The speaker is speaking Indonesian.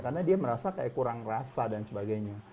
karena dia merasa kayak kurang rasa dan sebagainya